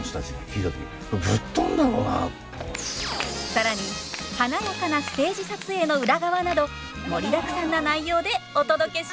更に華やかなステージ撮影の裏側など盛りだくさんな内容でお届けします！